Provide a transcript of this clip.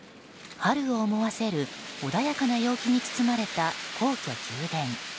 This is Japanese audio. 春を思わせる穏やかな陽気に包まれた皇居・宮殿。